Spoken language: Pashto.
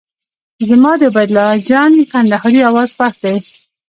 زما د عبید الله جان کندهاري اواز خوښ دی.